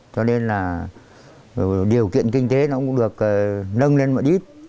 cho nên là điều kiện kinh tế nó cũng được nâng lên một ít